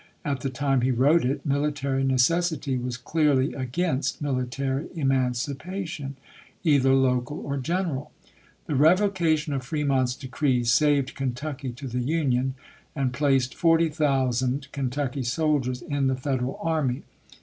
At the time he wrote it military necessity was clearly against military emancipation, either local or general. The revocation of Fremont's decree saved Kentucky to the Union, and placed forty thousand Kentucky soldiers in the Federal army.